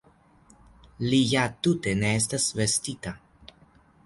Li ja tute ne estas vestita!